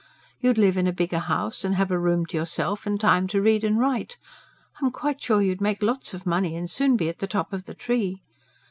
You'd live in a bigger house, and have a room to yourself and time to read and write. I'm quite sure you'd make lots of money and soon be at the top of the tree.